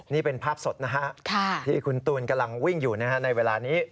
นี่เป็นภาพสดนะฮะที่คุณตูนกำลังวิ่งอยู่ในเวลานี้